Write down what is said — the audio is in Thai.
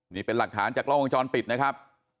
นี่เป็นหลักฐานจากกล้องวงจรปิดนะครับ